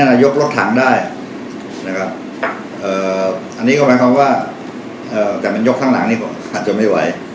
เอาโครงเหล็กแพทโครงมาแล้วมันยกมันขาไปได้